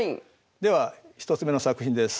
では１つ目の作品です。